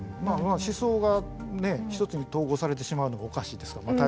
まあまあ思想がね一つに統合されてしまうのがおかしいですから。